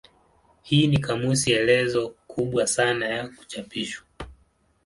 Hii ni kamusi elezo kubwa sana ya kuchapishwa.